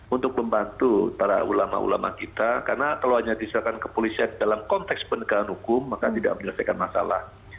untuk membantu para ulama ulama kita karena kalau hanya diserahkan kepolisian dalam konteks penegakan hukum maka tidak menyelesaikan masalah